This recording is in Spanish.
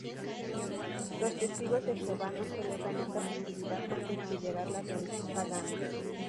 Los testigos de Jehová no celebran esta festividad por considerarla de origen pagano.